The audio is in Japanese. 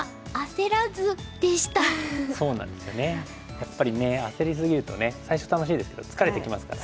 やっぱりねあせり過ぎると最初楽しいですけど疲れてきますから。